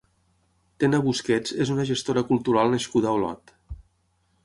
Tena Busquets és una gestora cultural nascuda a Olot.